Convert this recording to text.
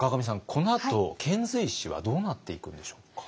このあと遣隋使はどうなっていくんでしょうか。